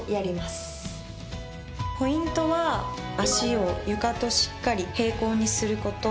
ポイントは脚を床としっかり平行にすること。